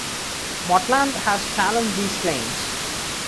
Motlanthe has challenged these claims.